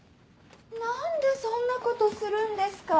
何でそんなことするんですか？